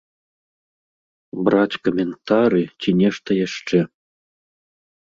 Браць каментары ці нешта яшчэ.